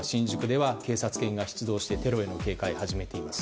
例えば、新宿では警察犬が出動してテロへの警戒を始めています。